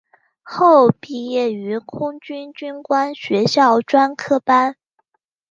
后毕业于空军军官学校专科班。